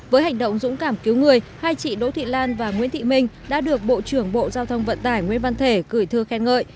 với hành động dũng cảm cứu người hai chị đỗ thị lan và nguyễn thị minh đã được bộ trưởng bộ giao thông vận tải nguyễn văn thể gửi thư khen ngợi